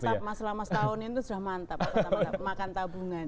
sudah mantap mas selama setahun ini sudah mantap makan tabungan